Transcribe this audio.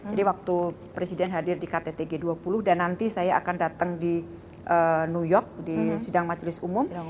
jadi waktu presiden hadir di kttg dua puluh dan nanti saya akan datang di new york di sidang majelis umum